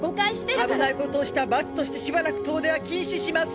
危ないことをした罰としてしばらく遠出は禁止します。